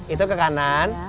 itu ke kanan